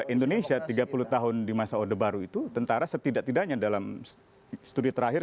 indonesia tiga puluh tahun di masa orde baru itu tentara setidak tidaknya dalam studi terakhir